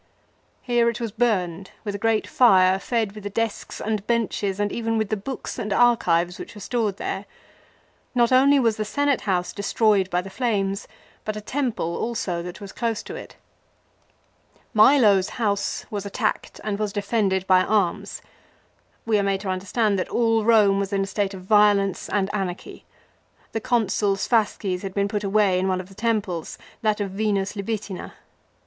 Here it was burned with a great fire fed with the desks and benches and even with the books and archives which were stored there. Not only was the Senate house destroyed by the flames, but a temple also that was close to it. 1 The Curia Hostilia, in which the Senate sat frequently, though by no means always. MILO. 71 Milo's house was attacked and was defended by arms. We are made to understand that all Home was in a state of violence and anarchy. The Consuls' fasces had been put away in one of the temples, that of Venus Libitina.